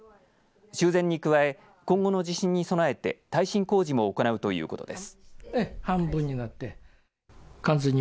修繕に加え、今後の地震に備えて耐震工事も行うということです。